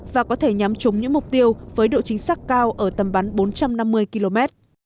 và có thể nhắm chúng những mục tiêu với độ chính xác cao ở tầm bắn bốn trăm năm mươi km